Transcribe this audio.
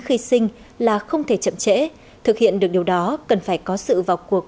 khi sinh là không thể chậm trễ thực hiện được điều đó cần phải có sự vào cuộc